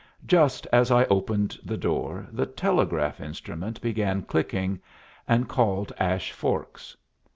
Just as I opened the door, the telegraph instrument began clicking, and called Ash Forks.